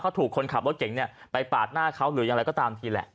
เขาถูกคนขับรถเก่งเนี่ยไปปาดหน้าเขาหรืออย่างไรก็ตามทีแหละ